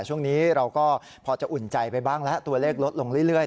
ช่วงนี้เราก็พอจะอุ่นใจไปบ้างแล้วตัวเลขลดลงเรื่อย